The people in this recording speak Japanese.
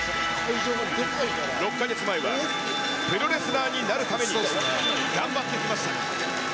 ６か月前はプロレスラーになるために頑張ってきました。